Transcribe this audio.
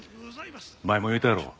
前も言うたやろ。